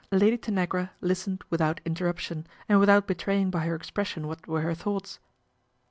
Lady Tan agra listened without interruption and without be traying by her expression what were her thoughts.